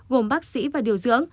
gồm bác sĩ và điều dưỡng